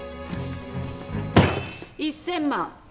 １，０００万。